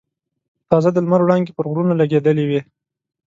تازه د لمر وړانګې پر غرونو لګېدلې وې.